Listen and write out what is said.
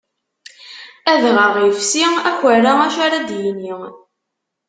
Adɣaɣ ifsi, akerra acu ar ad yini.